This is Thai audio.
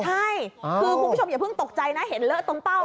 ใช่คือคุณผู้ชมอย่าเพิ่งตกใจนะเห็นเลอะตรงเป้า